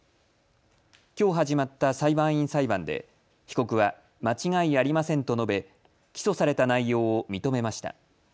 きょう始まった裁判員裁判で被告は間違いありませんと述べ起訴された内容を認めました。